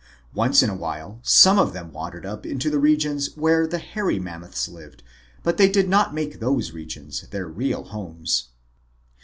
Once in a while, some of them wandered up into the regions where the Hairy Mammoths lived, but they did not make those regions their real homes.